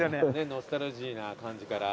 ノスタルジーな感じから。